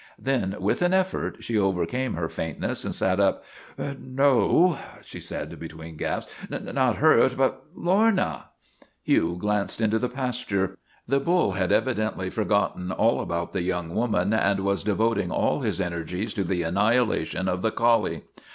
Then, with an effort, she overcame her faintness and sat up. 11 No," she said, between gasps, "not hurt but Lorna " Hugh glanced into the pasture. The bull had evidently forgotten all about the young woman and was devoting all his energies to the annihilation of the collie.